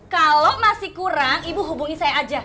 kalau masih kurang ibu hubungi saya aja